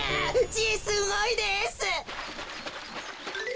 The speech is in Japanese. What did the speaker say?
じいすごいです！